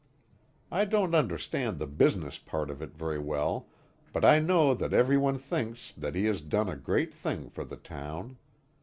I don't understand the business part of it very well, but I know that every one thinks that he has done a great thing for the town.